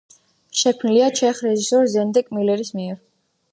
შექმნილია ჩეხ რეჟისორ ზდენეკ მილერის მიერ.